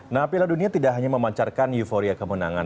nah piala dunia tidak hanya memancarkan euforia kemenangan